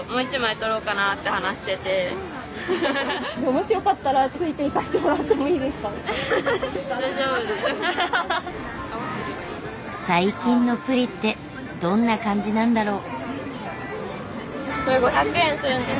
もしよかったら最近のプリってどんな感じなんだろう？